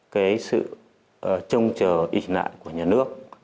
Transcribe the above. cái sự trông chờ ý nạn của nhà nước